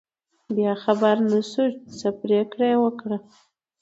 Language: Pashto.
بیا خبر نشو، څه پرېکړه یې وکړه.